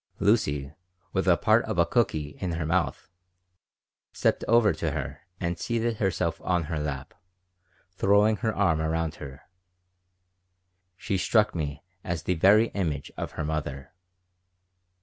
Lucy, with part of a cooky in her mouth, stepped over to her and seated herself on her lap, throwing her arm around her. She struck me as the very image of her mother.